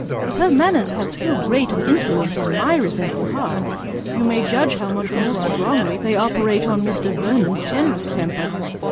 If her manners have so great an influence on my resentful heart, you may judge how much more strongly they operate on Mr. Vernon's generous temper.